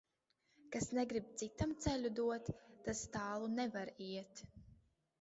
Kas negrib citam ceļu dot, tas tālu nevar iet.